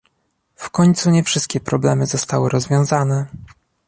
W końcu nie wszystkie problemy zostały rozwiązane